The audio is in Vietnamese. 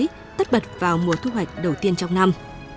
mùa cói tất bật vào mùa thu hoạch đầu tiên trong năm